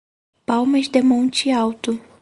Palmas de Monte Alto